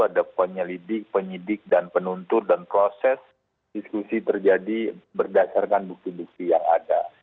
ada penyelidik penyidik dan penuntut dan proses diskusi terjadi berdasarkan bukti bukti yang ada